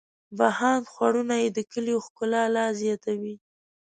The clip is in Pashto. بهاند خوړونه یې د کلیو ښکلا لا زیاتوي.